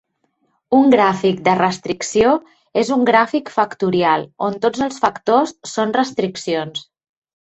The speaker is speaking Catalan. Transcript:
Un gràfic de restricció és un gràfic factorial on tots els factors són restriccions.